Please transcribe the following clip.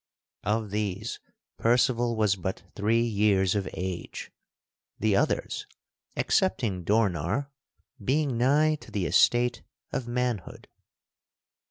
Of these, Percival was but three years of age; the others, excepting Dornar, being nigh to the estate of manhood.